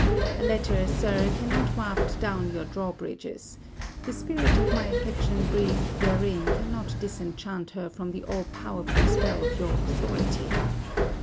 A letter, Sir, cannot waft down your draw bridges; the spirit of my affection breathed therein cannot disenchant her from the all powerful spell of your authority.